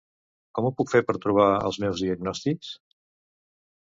Com ho puc fer per trobar els meus diagnòstics?